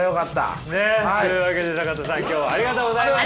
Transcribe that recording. ねえ。というわけで坂田さん今日はありがとうございました。